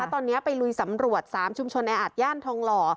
ตอนนี้ไปลุยสำรวจ๓ชุมชนแออัดย่านทองหล่อ